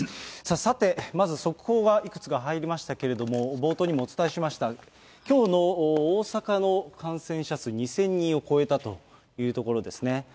さて、まず速報がいくつか入りましたけれども、冒頭にもお伝えしました、きょうの大阪の感染者数２０００人を超えたというところですね。